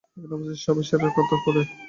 এখানে উপস্থিত সবাই সেরার কাতারে পড়ে।